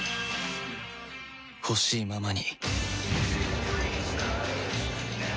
ほしいままに